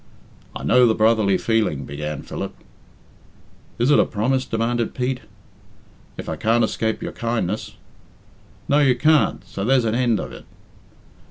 "I know the brotherly feeling " began Philip. "Is it a promise?" demanded Pete. "If I can't escape your kindness " "No, you can't; so there's an end of it."